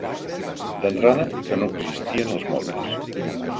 D'entrada, que no existien els mòbils.